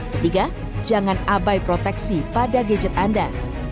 ketiga jangan abai proteksi pada gadget anda